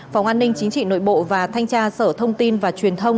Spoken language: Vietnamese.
phòng an ninh chính trị nội bộ và thanh tra sở thông tin và truyền thông